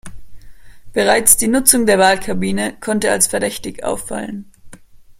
Bereits die Nutzung der Wahlkabine konnte als verdächtig auffallen.